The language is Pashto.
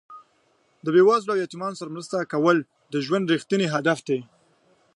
د بې وزلو او یتیمانو سره مرسته کول د ژوند رښتیني هدف دی.